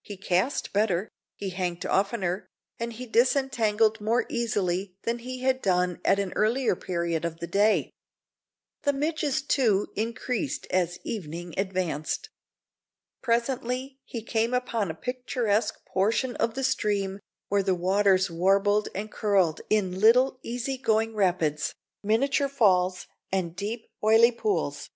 He cast better, he hanked oftener, and he disentangled more easily than he had done at an earlier period of the day. The midges, too, increased as evening advanced. Presently he came upon a picturesque portion of the stream where the waters warbled and curled in little easy going rapids, miniature falls, and deep oily pools.